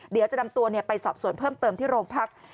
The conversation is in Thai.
เดี๋ยวจะนำตัวไปสอบสวนเพิ่มเติมที่โรงพัก